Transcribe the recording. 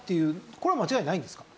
そこは間違いないですか？